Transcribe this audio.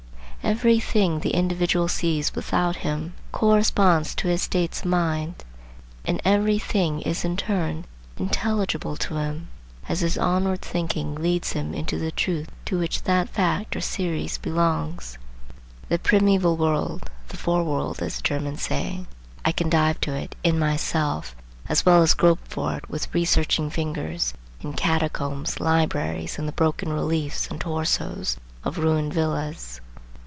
Every thing the individual sees without him corresponds to his states of mind, and every thing is in turn intelligible to him, as his onward thinking leads him into the truth to which that fact or series belongs. The primeval world,—the Fore World, as the Germans say,—I can dive to it in myself as well as grope for it with researching fingers in catacombs, libraries, and the broken reliefs and torsos of ruined villas.